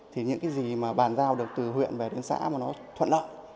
thì những cái gì mà bàn giao được từ huyện về đến xã mà nó thuận lợi